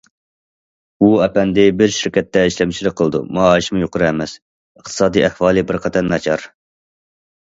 ۋۇ ئەپەندى بىر شىركەتتە ئىشلەمچىلىك قىلىدۇ، مائاشىمۇ يۇقىرى ئەمەس، ئىقتىسادىي ئەھۋالى بىر قەدەر ناچار.